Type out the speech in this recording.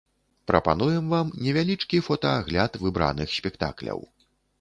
Прапануем вам невялічкі фотаагляд выбраных спектакляў.